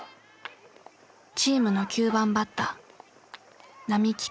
チームの９番バッター